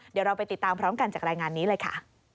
เดี๋ยวเราไปติดตามพร้อมกันจากรายงานนี้เลยค่ะ